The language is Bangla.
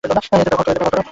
এদের ব্যবহার করো।